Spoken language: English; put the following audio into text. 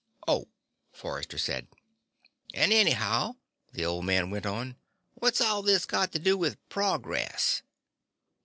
"Oh," Forrester said. "And anyhow," the old man went on, "what's all this got to do with progress?"